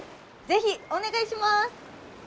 是非お願いします！